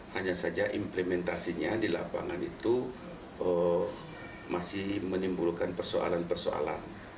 hanya saja implementasinya di lapangan itu masih menimbulkan persoalan persoalan